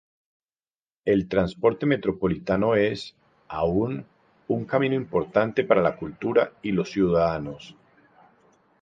El transporte metropolitano es, aun, un camino importante para la cultura y los ciudadanos.